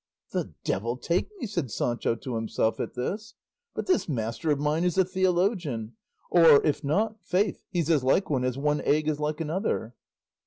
"The devil take me," said Sancho to himself at this, "but this master of mine is a theologian; or, if not, faith, he's as like one as one egg is like another."